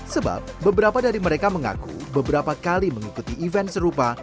sebab beberapa dari mereka mengaku beberapa kali mengikuti event serupa